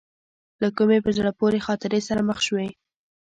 له کومې په زړه پورې خاطرې سره مخ شوې.